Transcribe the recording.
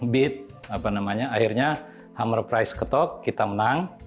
beat akhirnya hammer price ketok kita menang